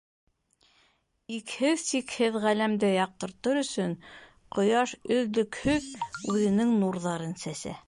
Икһеҙ-сикһеҙ Ғаләмде яҡтыртыр өсөн Ҡояш өҙлөкһөҙ үҙенең нурҙарын сәсә.